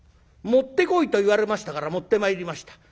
『持ってこいと言われましたから持ってまいりました。